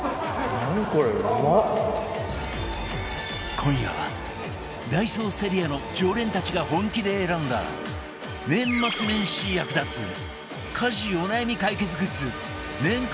今夜はダイソーセリアの常連たちが本気で選んだ年末年始役立つ家事お悩み解決グッズ年間